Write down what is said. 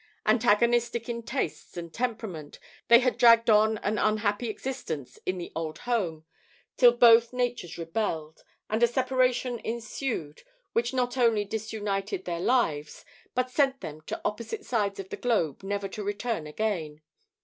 Antagonistic in tastes and temperament, they had dragged on an unhappy existence in the old home, till both natures rebelled, and a separation ensued which not only disunited their lives but sent them to opposite sides of the globe never to return again.